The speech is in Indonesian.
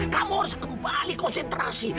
kamu harus kembali konsentrasi